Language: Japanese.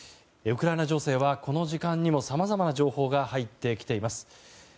ウクライナ情勢は、この時間にもさまざまな情報が入ってきています。